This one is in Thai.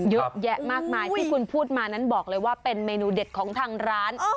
เยอะแยะมากมายที่คุณพูดมานั้นบอกเลยว่าเป็นเมนูเด็ดของทางร้าน